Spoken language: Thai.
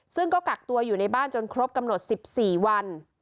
ซึ่งก็กักตัวอยู่ในบ้านจนครบกำหนด๑๔วัน